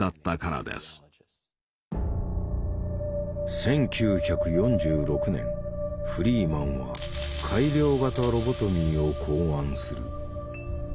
１９４６年フリーマンは改良型ロボトミーを考案する。